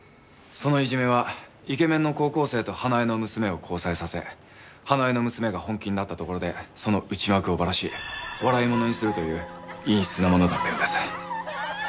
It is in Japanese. そのいじめはイケメンの高校生と花絵の娘を交際させ花絵の娘が本気になったところでその内幕をバラし笑い者にするという陰湿なものだったようです。